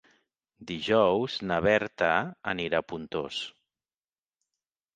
Dijous na Berta anirà a Pontós.